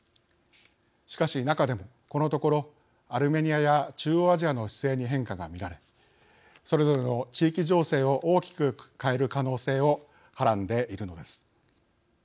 しかし中でもこのところアルメニアや中央アジアの姿勢に変化が見られそれぞれの地域情勢を大きく変える可能性をはらんでいるのです。